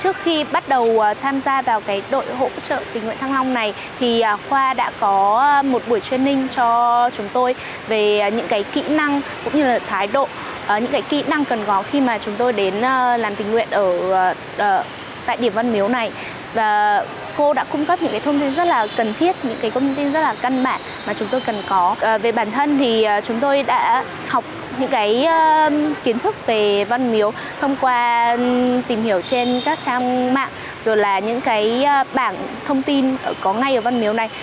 những kiến thức về văn miếu thông qua tìm hiểu trên các trang mạng rồi là những bảng thông tin có ngay ở văn miếu này